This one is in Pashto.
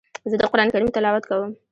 زه د قرآن کريم تلاوت کوم.